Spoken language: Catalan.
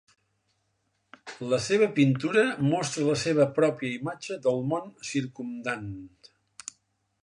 La seva pintura Mostra la seva pròpia imatge del món circumdant.